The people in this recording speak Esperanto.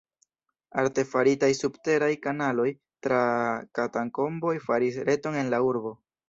Artefaritaj subteraj kanaloj tra katakomboj faris reton en la urbo.